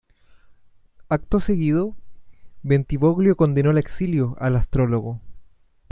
Acto seguido, Bentivoglio condenó al exilio al astrólogo.